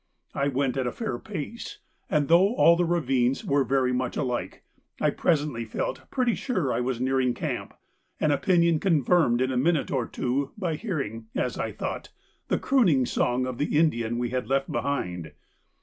I went at a fair pace, and though all the ravines were very much alike, I presently felt pretty sure I was nearing camp, an opinion confirmed in a minute or two by hearing, as I thought, the crooning song of the Indian we had left behind.